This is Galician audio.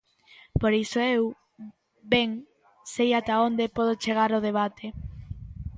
Por iso eu, ben, sei ata onde pode chegar o debate.